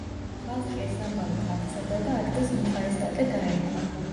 ხალხში ეს ამბავი გავრცელდა და ადგილს მუხაესტატე დაერქვა.